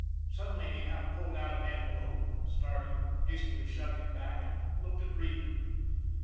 Suddenly he half pulled out an envelope, started, has tily shoved it back, and looked at Regan.